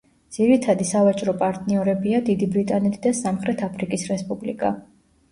ძირითადი სავაჭრო პარტნიორებია: დიდი ბრიტანეთი და სამხრეთ აფრიკის რესპუბლიკა.